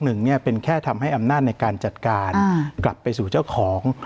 หนึ่งเนี่ยเป็นแค่ทำให้อำนาจในการจัดการกลับไปสู่เจ้าของ